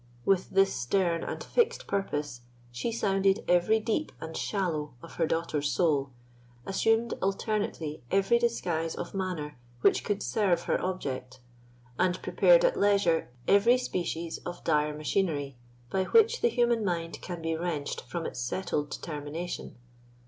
With this stern and fixed purpose, she sounded every deep and shallow of her daughter's soul, assumed alternately every disguise of manner which could serve her object, and prepared at leisure every species of dire machinery by which the human mind can be wrenched from its settled determination.